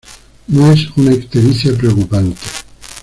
No es una ictericia preocupante.